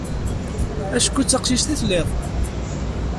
Acku d taqcict i telliḍ.